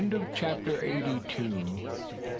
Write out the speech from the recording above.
CHAPTER EIGHTY THREE.